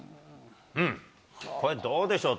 これ、どうでしょう。